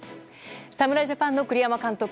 侍ジャパンの栗山監督。